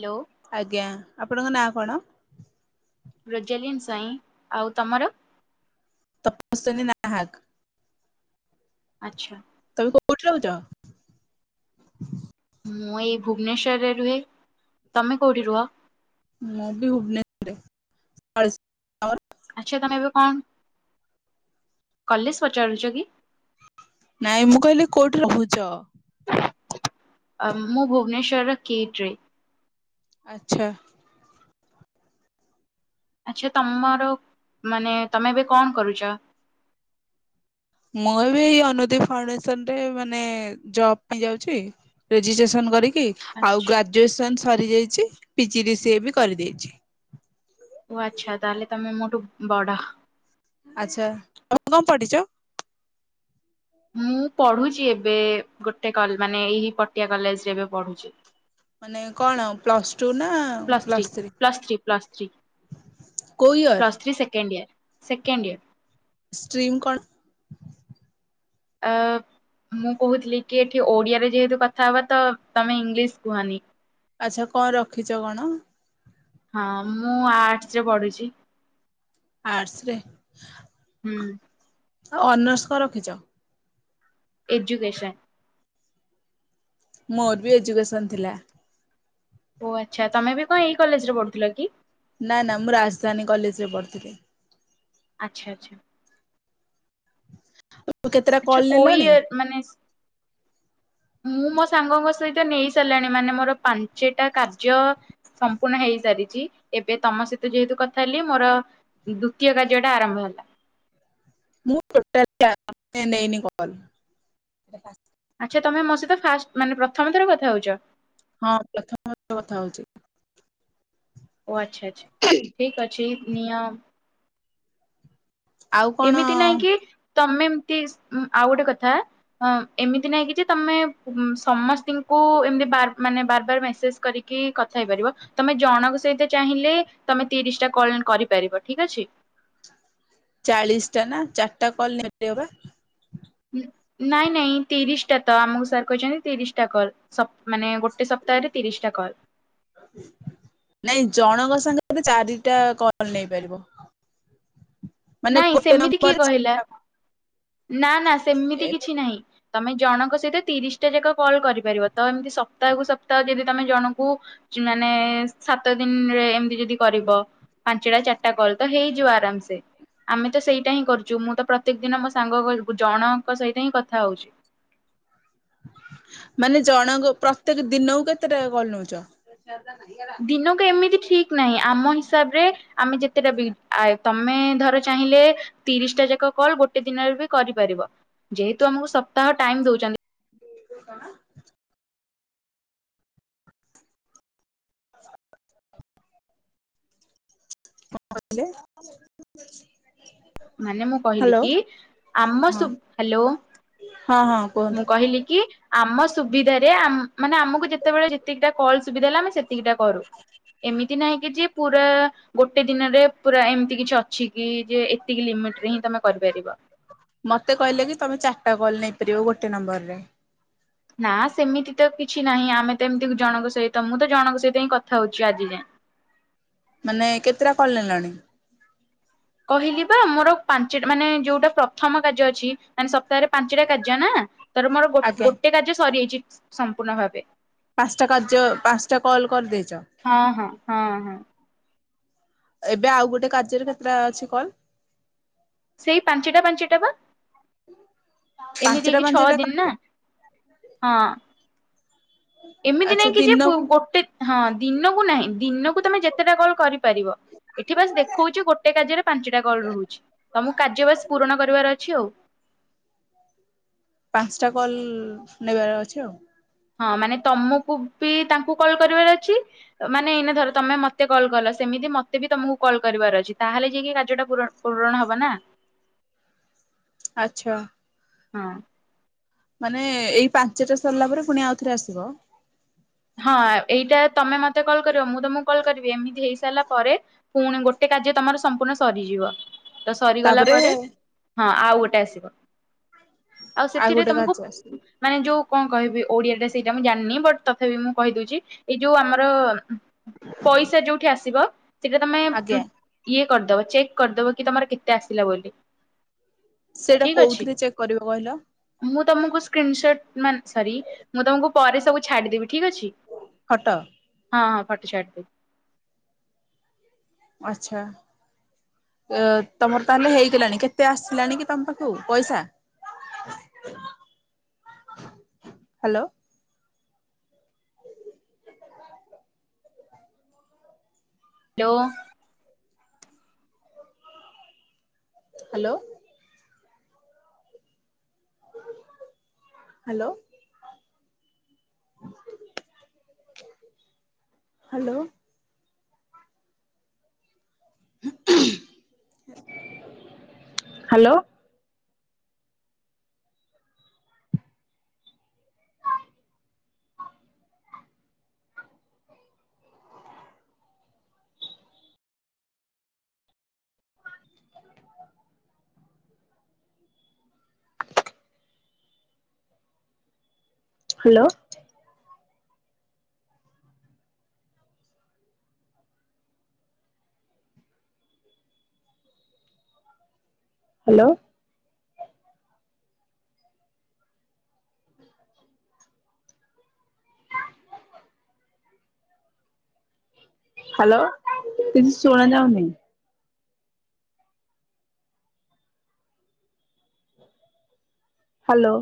Hello. ଆଜ୍ଞା ଆପଣଙ୍କ ନାଁ କଣ? ରୋଜାଲିନ୍ ସ୍ୱାଇଁ ଆଉ ତମର? ତପସ୍ୱିନୀ ନାହାକ। ଆଚ୍ଛା। ତମେ କୋଉଠି ରହୁଚ? ମୁଁ ଏଇ ଭୁବନେଶ୍ୱରରେ ରୁହେ ତମେ କୋଉଠି ରୁହ? ମୁଁ ବି ଭୁବନେଶ୍ୱରେ [unintelligible] ଆଚ୍ଛା ତମେ ଏବେ କଣ କଲେଜ ପଚାରୁଚ କି? ନାଇଁ ମୁଁ କହିଲି କୋଉଠି ରହୁଚ? ମୁଁ ଭୁବନେଶ୍ଵର ର କିଟ୍ ରେ। ଆଛା। ଆଚ୍ଛା ତମର ମାନେ ତମେ ଏବେ କଣ କରୁଚ? ମୁଁ ଏବେ ଏଇ ଅନୁଦେଇ ଫାଉଣ୍ଡେସନ ରେ ମାନେ ଜବ ପାଇଁ ଯାଉଚି ରେଜିଷ୍ଟ୍ରେସନ କରିକି ଆଉ ଆଚ୍ଛା ଗ୍ରାଜୁଏସନ ସରିଯାଇଚି ପି ଜି ଡି ସିଏ ବି କରିଦେଇଚି। ଓ ଆଚ୍ଛା ତାହେଲେ ତମେ ମୋଠୁ ବଡ଼। ଆଚ୍ଛା ତମେ କଣ ପଢ଼ିଚ? ମୁଁ ପଢୁଚି ଏବେ ଗୋଟେ କଲ ମାନେ ଏଇ ପଟିଆ କଲେଜରେ ଏବେ ପଢୁଚି। ମାନେ କଣ ପ୍ଲସ ଟୁ ନା ପ୍ଲସ୍ ପ୍ଲସ ଥ୍ରୀ? କୋଉ year? Plus three second year second year. Stream କଣ? ଅ ମୁଁ କହୁଥିଲି କି ଏଠି ଓଡ଼ିଆରେ ଯେହେତୁ କଥାହବା ତମେ ଇଂଲିଶ କୁହନି। ଆଚ୍ଛା କଣ ରଖିଚ କଣ? ହଁ ମୁଁ ଆର୍ଟସ ରେ ପଢୁଛି। ଆର୍ଟସରେ ହୁଁ। ଆଉ ଅନର୍ସ କଣ ରଖିଚ? ଏଜୁକେସନ୍ ମୋର ବି ଏଜୁକସନ ଥିଲା। ଓ ଆଚ୍ଛା ତମେ ବି କଣ ଏଇ କଲେଜରେ ପଢୁଥିଲ କି? ନା ନା ମୁଁ ରାଜଧାନୀ କଲେଜ ରେ ପଢ଼ିଥିଲି। ଆଚ୍ଛା ଆଚ୍ଛା। ତୁ କେତେଟା ଆଚ୍ଛା କଲ୍ କୋଉ ନେଲଣି? ଇୟର ମାନେ ସ ମୁଁ ମୋ ସାଙ୍ଗଙ୍କ ସହିତ ନେଇ ସାରିଲାଣି ମାନେ ମୋର ପାଞ୍ଚଟା କାର୍ଯ୍ୟ ସମ୍ପୂର୍ଣ୍ଣ ହେଇ ସାରିଚି ଏବେ ତମ ସହିତ ଯେହେତୁ କଥା ହେଲି ମୋର ଦ୍ଵିତୀୟ କାର୍ଯ୍ୟ ଟା ଆରମ୍ଭ ହେଲା। ମୁଁ ଟୋଟାଲି [unintelligible] ନେଇନି କଲ ଆଚ୍ଛା ତମେ ମୋ ସହିତ ଫାଷ୍ଟ ମାନେ ପ୍ରଥମ ଥର କଥା ହଉଚ? ହଁ ପ୍ରଥମ ଥର କଥା ହଉଚି। ଓ ଆଚ୍ଛା ଆଚ୍ଛା ଠିକ୍ ଅଛି ନିଅଁ ଆଉ କଣ ଏମିତି ନହିଁ କି ତମେ ଏମତି ଉଁ ଆଉ ଗୋଟେ କଥା ହଁ ଏମିତି ନାଇଁ କି ଯେ ତମେ ସମସ୍ତି ଙ୍କୁ ଏମିତି ବାର ମାନେ ବାର ବାର ମେସେଜ କରି କି କଥା ହେଇପାରିବ ତମେ ଜଣଙ୍କ ସହିତ ଚାହିଁଲେ ତମେ ତିରିଶ ଟା କଲ କରିପାରିବ ଠିକ ଅଛି। ଚାଳିଶ ଟା ନା ଚାରିଟା କଲ ନେବେ ବା। ନାଇଁ ନାଇଁ ତିରିଶ ଟା ତ ଆମକୁ ସାର୍ କହିଛନ୍ତି ତିରିଶ ଟା କଲ ସପ ମାନେ ଗୋଟେ ଗୋଟେ ସପ୍ତାହରେ ତିରିଶିଟା କଲ୍। ନାଇଁ ଜଣଙ୍କ ସାଙ୍ଗରେ ଚାରିଟା କଲ୍ ନେଇପାରିବ। [inaudible] ମାନେ ନାଇଁ ଗୋଟେ ସେମିତି କିଏ ନମ୍ବରରେ କହିଲା ଚାରିଟା କଲ୍। ନାଁ ନାଁ ସେମିତି କିଛି ନାହିଁ। ତମେ ଜଣଙ୍କ ସହିତ ତିରିଶିଟା ଯାକ କଲ୍ କରିପାରିବ ତ ଏମିତି ସପ୍ତାହକୁୁ ସପ୍ତାହ ଯଦି ତମେ ଜଣଙ୍କୁ ମାନେ ସାତ ଦିନରେ ଏମିତି ଯଦି କରିବ। ପାଞ୍ଚଟା ଚାରିଟା କଲ୍ ତ ହେଇଯିବ ଆରାମସେ। ଆମେ ତ ସେଇଟା ହିଁ କରୁଛୁ ମୁଁ ତ ପ୍ରତ୍ୟେକ ଦିନ ମୋ ସାଙ୍ଗ ଘରକୁ ଜଣଙ୍କ ସହିତ ହିଁ କଥା ହୋଉଛି। ମାନେ ଜଣଙ୍କ ପ୍ରତ୍ୟେକ ଦିନକୁ କେତେଟା କଲ୍ ନୋଉଚ? ଦିନକୁ ଏମିତି ଠିକ୍ ନାହିଁ ଆମ ହିସାବରେ ଆମେ ଯେତେଟା ବି ଆ ତମେ ଧର ଚାହିଁଲେ ତିରିଶିଟା ଯାକ କଲ୍ ଗୋଟେ ଦିନରେ ବି କରିପାରିବ। ଯେହେତୁ ଆମକୁ ସପ୍ତାହ ଟାଇମ୍ ଦଉଚନ୍ତି। ବି ଯୋଉ କଣ କଣ କହିଲେ? ମାନେ ମୁଁ କହିଲି କି ଆମ ହଁ ସୁ ହ୍ୟାଲୋ। ହଁ ହଁ କୁହ ମୁଁ କହିଲି କି ଆମ ସୁବିଧାରେ ଆମ୍ ମାନେ ଆମକୁ ଯେତେବେଳେ ଯେତିକିଟା କଲ୍ ସୁବିଧା ହେଲା ଆମେ ସେତିକିଟା କରୁ। ଏମିତି କାହିଁକି ଯେ ପୁରା ଗୋଟେ ଦିନରେ ପୁରା ଏମିତି କିଛି ଅଛିକି ଯେ ଏ ଏତିକି ଲିମିଟିରେ ହିଁ ତମେ କରିପାରିବ। ମତେ କହିଲେ କି ତମେ ଚାରିଟା କଲ୍ ନେଇପାରିବ ଗୋଟେ ନମ୍ବରରେ। ନା ସେମିତି ତ କିଛି ନାହିଁ ଆମେ ତ ଏମିତି ଜଣଙ୍କ ସହିତ ମୁଁ ତ ଜଣଙ୍କ ସହିତ ହିଁ କଥା ହଉଚି ଆଜି ଯାଏଁ। ମାନେ କେତେଟା କଲ୍ ନେଲଣି? କହିଲି ବା ମୋର ପାଞ୍ଚଟା ମାନେ ଯୋଉଟା ପ୍ରଥମ କାର୍ଯ୍ୟ ଅଛି ମାନେ ସପ୍ତାହରେ ପାଞ୍ଚଟା କାର୍ଯ୍ୟ ନା। ତାର ମୋର ଗୋ ଆଜ୍ଞା ଗୋଟେ କାର୍ଯ୍ୟ ସରିଯଇଛି ସମ୍ପୂର୍ଣ୍ଣ ଭାବେ। ପାଞ୍ଚଟା କାର୍ଯ୍ୟ ପାଞ୍ଚଟା କଲ୍ କରିଦେଇଚ? ହଁ ହଁ ହଁ ହଁ। ଏବେ ଆଉ ଗୋଟେ କାର୍ଯ୍ୟରେ କେତେଟା ଅଛି କଲ୍। ସେଇ ପାଞ୍ଚଟା ପାଞ୍ଚଟା ବା ଏମିତି ପାଞ୍ଚଟା ହେଇକି ଛଅ ପାଞ୍ଚଟା ଦିନି ନା। କାର୍ଯ୍ୟ ହଁ। ଏମିତି ଆଚ୍ଛା ନାଇଁକି ଯେ ପୁ ଦିନକୁ ଗୋଟେ ହଁ ଦିନକୁ ନାହିଁ ଦିନକୁ ତମେ ଯେତେଟା କଲ୍ କରିପାରିବ। ଏଠି ବାସ୍ ଦେଖୋଉଚି ଗୋଟେ କାର୍ଯ୍ୟରେ ପାଞ୍ଚଟା କଲ୍ ରହୁଚି ତମକୁ କାର୍ଯ୍ୟ ବାସ୍ ପୂରଣ କରିବାର ଅଛି ଆଉ। ପାଞ୍ଚଟା କଲ୍ ନେବାର ଅଛି ଆଉ। ହଁ ମାନେ ତମକୁ ବି ତାଙ୍କୁ କଲ୍ କରିବାର ଅଛି। ମାନେ ଏଇନା ଧର ତମେ ମତେ କଲ୍ କଲ ସେମିତି ମତେ ବି ତମକୁ କଲ୍ କରିବାର ଅଛି ତାହେଲେ ଯାଇକି କାର୍ଯ୍ୟଟା ପୂରଣ ପୂରଣ ହବ ନା। ଆଚ୍ଛା। ହଁ। ମାନେ ଏଇ ପାଞ୍ଚଟା ସରିଲା ପରେ ପୁଣି ଆଉଥରେ ଆସିବ। ହଁ ଏଇଟା ତମେ ମତେ କଲ୍ କରିବ ମୁଁ ତମକୁ କଲ୍ କରିବି ଏମିତି ହେଇ ସାରିଲା ପରେ ପୁଣି ଗୋଟେ କାର୍ଯ୍ୟ ତମର ସମ୍ପୂର୍ଣ୍ଣ ସରିଯିବ। ତ ସରିଗଲା ତାପରେ ପରେ ହଁ ଆଉ ଗୋଟେ ଆସିବ। ଆଉ ସେଥିରେ ଗୋଟେ ତମକୁ କାର୍ଯ୍ୟ ଆସିବ। ମାନେ ଯୋଉ କଣ କହିବି ଓଡ଼ିଆଟା ସେଇଟା ମୁଁ ଜାଣିନି ବଟ୍ ତଥାପି ମୁଁ କହିଦୋଉଚି ଏଇ ଯୋଉ ଆମର ପଇସା ଯୋଉଠି ଆସିବ ସେଟା ତମେ ଆଜ୍ଞା ଉ ଇଏ କରିଦବ ଚେକ୍ କରିଦବ କି ତମର କେତେ ଆସିଲା ବୋଲି। ସେଇଟା ଠିକ ଅଛି କୋଉଥିରେ ଚେକ୍ କରିବି କହିଲ? ମୁଁ ତମକୁ ସ୍କ୍ରିନସଟ୍ ମାନ୍ ସରି ମୁଁ ତମକୁ ପରେ ସବୁ ଛାଡିଦେବି ଠିକ୍ ଅଛି। ଫଟୋ। ହଁ ହଁ ଫଟୋ ଛାଡ଼ିଦେବି। ଆଚ୍ଛା। ଅ ତମର ତାହେଲେ ହେଇଗଲାଣି କେତେ ଆସିଲାଣି କି ତମ ପାଖକୁ ପଇସା? Hello. [unintelligible] Hello. Hello. Hello. Hello. Hello. Hello. Hello. ହଁ [inaudible] ହ୍ୟାଲୋ କିଛି ଶୁଣା ଯାଉନି? ହ୍ୟାଲୋ।